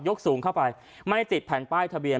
สูงเข้าไปไม่ติดแผ่นป้ายทะเบียน